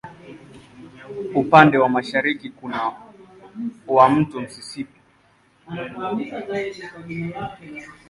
Upande wa mashariki kuna wa Mto Mississippi.